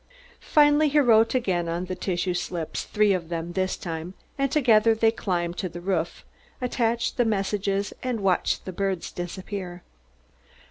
Finally he wrote again on the tissue slips three of them this time and together they climbed to the roof, attached the messages, and watched the birds disappear.